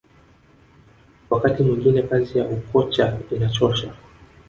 wakati mwingine kazi ya ukocha inachosha